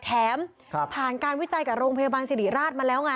แถมผ่านการวิจัยกับโรงพยาบาลสิริราชมาแล้วไง